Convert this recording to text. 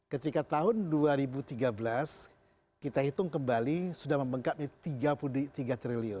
ketika tahun dua ribu tiga belas kita hitung kembali sudah membengkak di tiga puluh tiga triliun